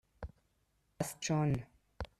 Passt schon!